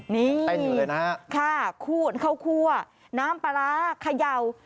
นี่เต้นอยู่เลยนะฮะค่ะคูดข้าวคั่วน้ำปลาร้าเขย่า